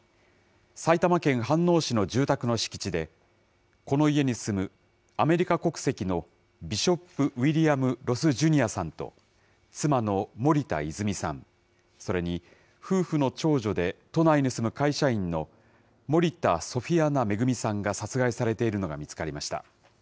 埼玉県飯能市の住宅の敷地で、この家に住むアメリカ国籍のビショップ・ウィリアム・ロス・ジュニアさんと、妻の森田泉さん、それに夫婦の長女で、都内に住む会社員の森田ソフィアナ恵さんが殺害されているのが見つかりました。